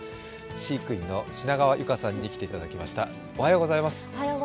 飼育員の品川友花さんに来ていただきました。